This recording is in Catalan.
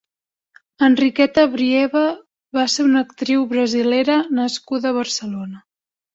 Henriqueta Brieba va ser una actriu brasilera nascuda a Barcelona.